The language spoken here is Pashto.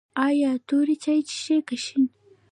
ایا تور چای څښئ که شین؟